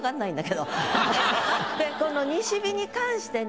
この「西日」に関してね